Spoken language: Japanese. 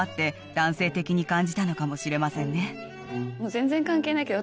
全然関係ないけど。